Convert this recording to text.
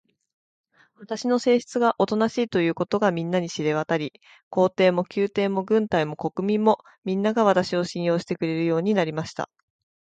私の性質がおとなしいということが、みんなに知れわたり、皇帝も宮廷も軍隊も国民も、みんなが、私を信用してくれるようになりました。